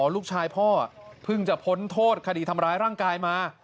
ลูกชายพ่อเพิ่งจะพ้นโทษคดีทำร้ายร่างกายมา